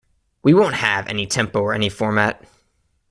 We won't have any tempo or any format.